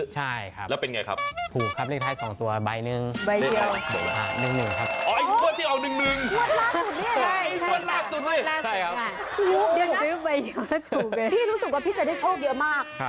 ฉันรู้สึกว่าพี่ช่วยได้โชคเยอะมาก